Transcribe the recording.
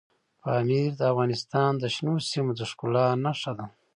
پامیر د افغانستان د شنو سیمو د ښکلا نښه ده.